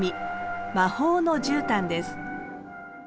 「魔法のじゅうたん」です。